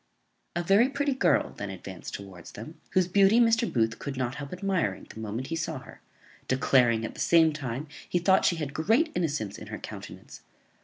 A very pretty girl then advanced towards them, whose beauty Mr. Booth could not help admiring the moment he saw her; declaring, at the same time, he thought she had great innocence in her countenance.